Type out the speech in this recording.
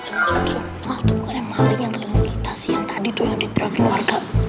itu bukan yang paling yang terlalu kita sih yang tadi tuh yang diterapin warga